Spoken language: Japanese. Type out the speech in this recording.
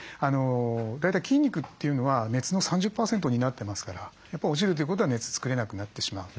大体筋肉というのは熱の３０％担ってますからやっぱり落ちるということは熱作れなくなってしまう。